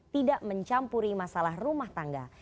tidak mencampuri masalah rumah tangga